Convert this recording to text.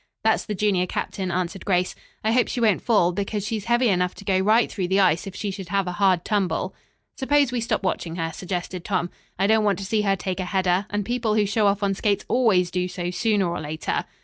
"That's the junior captain," answered Grace. "I hope she won't fall, because she's heavy enough to go right through the ice if she should have a hard tumble." "Suppose we stop watching her," suggested Tom. "I don't want to see her take a header, and people who show off on skates always do so, sooner or later."